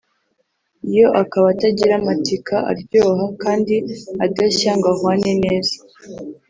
yo akaba atagira amatika aryoha kandi adashya ngo ahwane neza